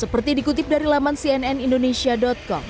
seperti dikutip dari laman cnnindonesia com